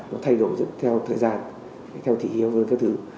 nó thay đổi theo thời gian theo thị hiếu hơn các thứ